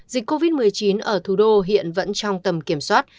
dịch covid một mươi chín ở thủ đô hiện vẫn trong tầm kiểm soát